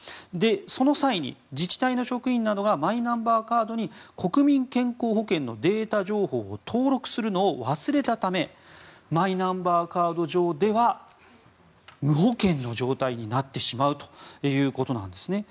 その際に、自治体の職員などがマイナンバーカードに国民健康保険のデータ情報を登録するのを忘れたためマイナンバーカード上では無保険の状態になってしまうということなんですね。